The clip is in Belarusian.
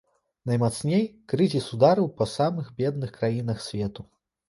Наймацней крызіс ударыў па самых бедных краінах свету.